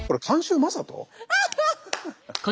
アハハ！